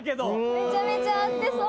めちゃめちゃ合ってそう。